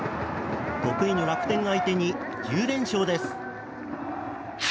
得意の楽天相手に１０連勝です。